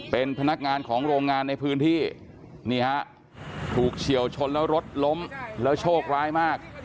เป็นพนักงานของโรงงานในพื้นที่นี่ฮะถูกเฉียวชนแล้วรถล้มแล้วโชคร้ายมาก